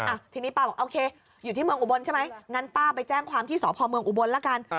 อ่ะทีนี้ป้าบอกโอเคอยู่ที่เมืองอุบลใช่ไหมงั้นป้าไปแจ้งความที่สพเมืองอุบลละกัน